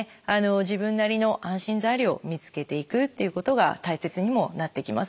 自分なりの安心材料を見つけていくっていうことが大切にもなってきます。